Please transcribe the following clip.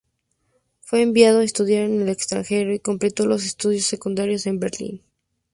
Fue enviado a estudiar en el extranjero y completó los estudios secundarios en Berlín.